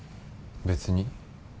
別に。